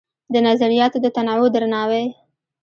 د نظریاتو د تنوع درناوی